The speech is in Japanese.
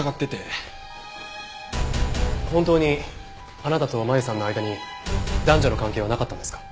本当にあなたと真由さんの間に男女の関係はなかったんですか？